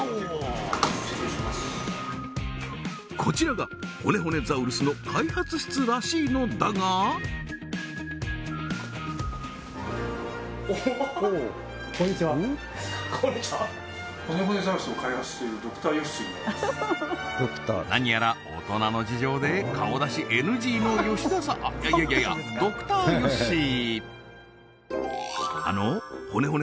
こちらがほねほねザウルスの開発室らしいのだがおおこんにちは何やら大人の事情で顔出しＮＧの吉田さあっいやいやいやＤｒ．ヨッシー